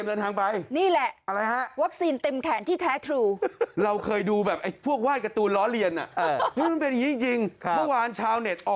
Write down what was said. มันไม่มีแค่นั้นเออ